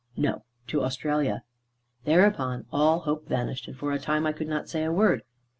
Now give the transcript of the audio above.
"No. To Australia." Thereupon all hope vanished, and for a time I could not say a word.